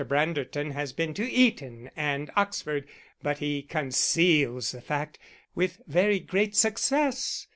Branderton has been to Eton and Oxford, but he conceals the fact with very great success.